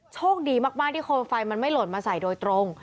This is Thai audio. โชคดีมากที่โคมไฟมันไม่หล่นมาใส่โดยตรง